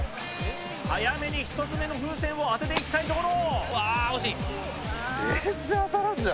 早めに１つ目の風船を当てていきたいところ。